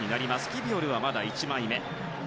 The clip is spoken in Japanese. キビオルはまだ１枚目。